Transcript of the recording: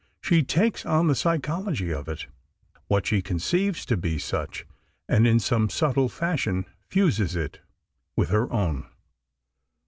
She takes on the psychology of it—what she conceives to be such—and in some subtle fashion, fuses it with her own.